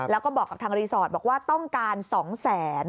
แล้วก็บอกกับทางรีสอร์ทบอกว่าต้องการ๒แสน